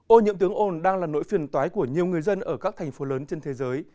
ô nhiễm tiếng ồn đang là nỗi phiền toái của nhiều người dân ở các thành phố lớn trên thế giới